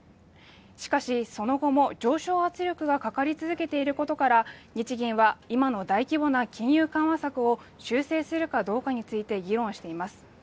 しかしその後も上昇圧力がかかり続けていることから日銀は今の大規模な金融緩和策を修正するかどうかについて議論しています